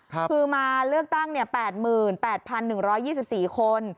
คือมาเลือกตั้ง๘๘๑๒๔คน